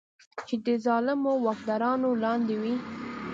چې د ظالمو واکدارانو لاندې وي.